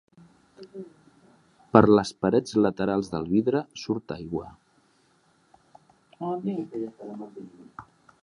Per les parets laterals del vidre surt aigua.